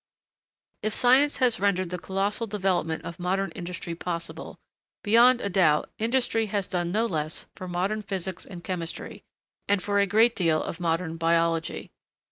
If science has rendered the colossal development of modern industry possible, beyond a doubt industry has done no less for modern physics and chemistry, and for a great deal of modern biology.